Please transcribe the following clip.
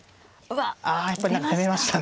ああやっぱり何か攻めましたね。